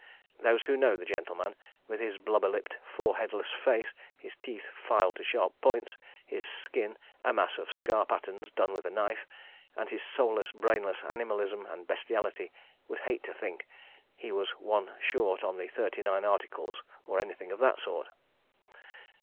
Those who know the gentleman, with his blubber lipped, foreheadless face, his teeth filed to sharp points, his skin a mass of scar patterns, done with a knife, and his soulless, brainless animalism and bestiality, would hate to think he was one short on the Thirty Nine Articles or anything of that sort.)